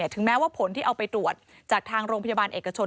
ถึงแม้ว่าผลที่เอาไปตรวจจากทางโรงพยาบาลเอกชน